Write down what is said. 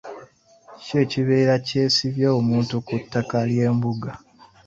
Kiki ekibeera kyesibya omuntu ku ttaka ly'embuga?